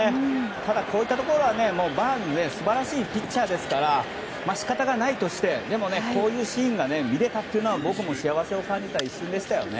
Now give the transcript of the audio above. ただ、こういったところはバーンズは素晴らしいピッチャーですから仕方がないとしてでも、こういうシーンが見られたのは僕も幸せを感じた一瞬でしたよね。